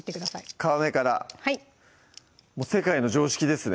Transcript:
皮目から世界の常識ですね